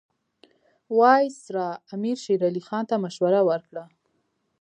وایسرا امیر شېر علي خان ته مشوره ورکړه.